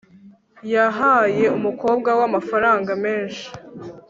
yahaye umukobwa we amafaranga menshi